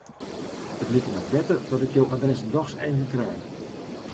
It liket my better dat ik jo adres dochs even krij.